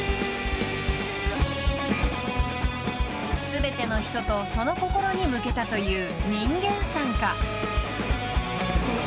［全ての人とその心に向けたという］